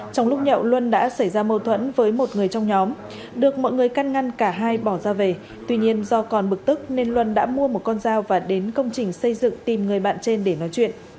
trong lúc nhậu luân đã xảy ra mâu thuẫn với một người trong nhóm được mọi người căn ngăn cả hai bỏ ra về tuy nhiên do còn bực tức nên luân đã mua một con dao và đến công trình xây dựng tìm người bạn trên để nói chuyện